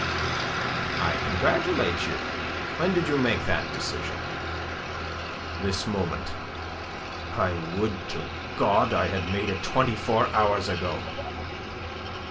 "I congratulate you. When did you make that decision?" "This moment. I would to God I had made it twenty four hours ago.